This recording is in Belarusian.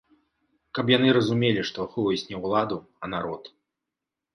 Каб яны разумелі, што ахоўваюць не ўладу, а народ.